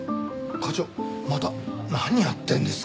課長また何やってるんですか？